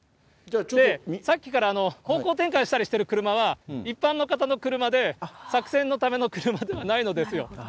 さっきから方向転換したりしている車は、一般の方の車で、作戦のための車ではないのですよ。